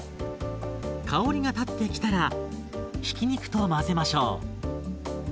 香りが立ってきたらひき肉と混ぜましょう。